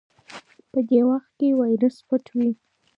په دې وخت کې وایرس پټ وي.